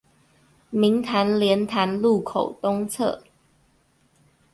明潭蓮潭路口東側